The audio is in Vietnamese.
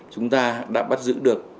chúng ta đã bắt giữ được